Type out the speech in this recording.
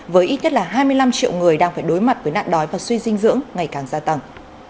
với ít nhất là hai mươi năm triệu người đang phải đối mặt với nạn đói và suy dinh dưỡng ngày càng gia tăng